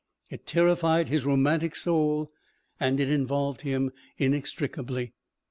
It terrified his romantic soul and it involved him inextricably.